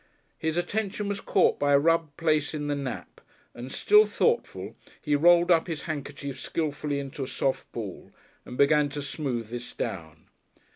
His attention was caught by a rubbed place in the nap, and, still thoughtful, he rolled up his handkerchief skilfully into a soft ball and began to smooth this down.